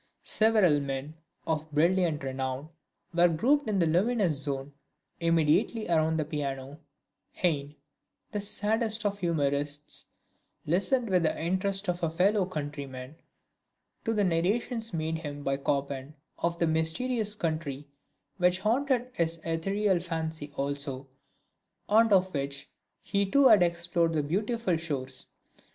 Several men, of brilliant renown, were grouped in the luminous zone immediately around the piano: Heine, the saddest of humorists, listened with the interest of a fellow countryman to the narrations made him by Chopin of the mysterious country which haunted his ethereal fancy also, and of which he too had explored the beautiful shores.